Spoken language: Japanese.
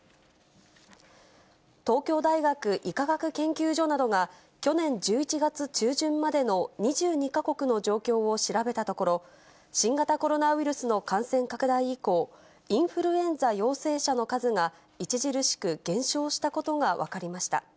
東京大学医科学研究所などが、去年１１月中旬までの２２か国の状況を調べたところ、新型コロナウイルスの感染拡大以降、インフルエンザ陽性者の数が、著しく減少したことが分かりました。